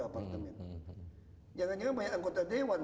apartemen yang hanya banyak anggota dewan